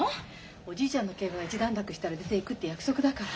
おじいちゃんのケガが一段落したら出ていくって約束だから。